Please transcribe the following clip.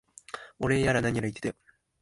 お礼やら何やら言ってたよ。